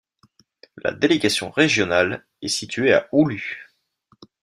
La délégation régionale est située à Oulu.